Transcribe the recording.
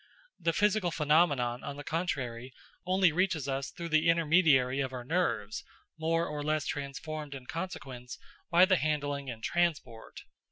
The physical phenomenon, on the contrary, only reaches us through the intermediary of our nerves, more or less transformed in consequence by the handling in transport.